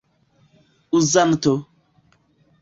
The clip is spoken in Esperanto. uzanto